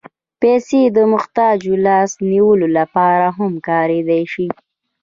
پېسې د محتاجو لاس نیولو لپاره هم کارېدای شي.